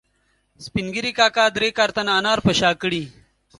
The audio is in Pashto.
سپین ږیري کاکا درې کارتنه انار په شا کړي